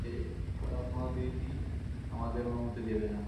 ওরা কোনোদিনই আমাদের অনুমতি দেবে না।